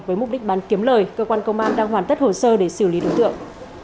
với mục đích bán kiếm lời cơ quan công an đang hoàn tất hồ sơ để xử lý đối tượng